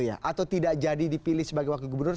atau tidak jadi dipilih sebagai wakil gubernur